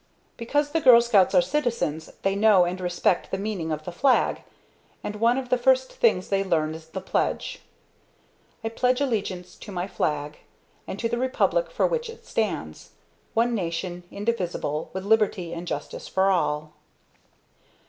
Because the Girl Scouts are citizens they know and respect the meaning of the flag, and one of the first things they learn is the Pledge: I pledge allegiance to my flag, and to the republic for which it stands; one nation indivisible, with Liberty and Justice for all.